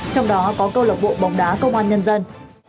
trong đó có câu lộc bộ bồng đá công an nhân dân